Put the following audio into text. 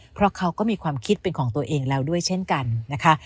เพราะเขาก็มีความคิดเป็นของตัวเองแล้วด้วยเช่นกันนะคะ